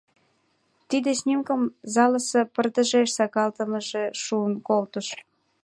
Тиде снимкым залысе пырдыжеш сакалтымыже шуын колтыш.